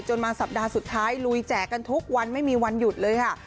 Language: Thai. มาสัปดาห์สุดท้ายลุยแจกกันทุกวันไม่มีวันหยุดเลยค่ะ